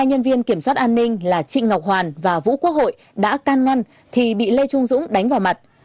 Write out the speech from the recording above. hai nhân viên kiểm soát an ninh là trịnh ngọc hoàn và vũ quốc hội đã can ngăn thì bị lê trung dũng đánh vào mặt